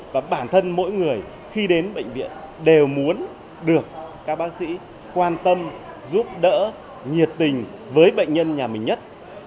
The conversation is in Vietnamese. và bản thân mỗi người khi đến bệnh viện đều muốn được các bác sĩ quan tâm giúp đỡ nhiệt tình với bệnh nhân nhà mình nhất